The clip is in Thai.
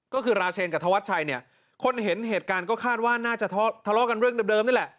ก็คือราเชนกับธวัดชัยเนี่ยคนเห็นเหตุการณ์ก็คาดว่าน่าจะทะเลาะกันเรื่องเดิมนี่แหละ